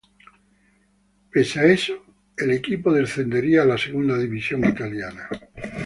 Pese a eso, el equipo descendería a la segunda división italiana.